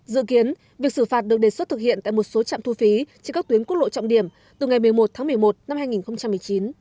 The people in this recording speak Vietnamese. dự kiến việc xử phạt được đề xuất thực hiện tại một số trạm thu phí trên các tuyến quốc lộ trọng điểm từ ngày một mươi một tháng một mươi một năm hai nghìn một mươi chín